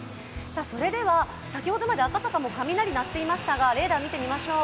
それでは先ほどまで赤坂も雷が鳴っていましたが、レーダーを見てみましょう。